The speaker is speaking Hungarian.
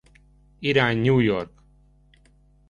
Irány New York!